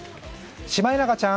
シマエナガちゃん。